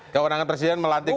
kewenangan presiden melantik